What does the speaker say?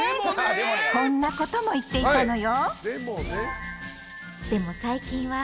こんなことも言っていたのよ。